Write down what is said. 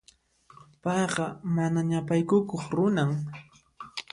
Payqa mana ñapaykukuq runan.